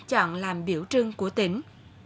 chọn làm biểu trưng của tỉnh